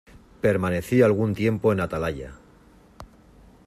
permanecí algún tiempo en atalaya.